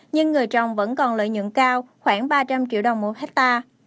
nhưng người trồng vẫn còn lợi nhuận cao khoảng ba trăm linh triệu đồng một hectare